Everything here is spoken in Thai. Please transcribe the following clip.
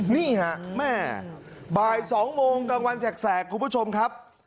นี่ฮะแม่บ่าย๒โมงกลางวันแสกคุณผู้ชมครับ